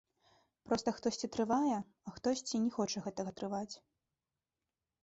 Проста хтосьці трывае, а хтосьці не хоча гэтага трываць.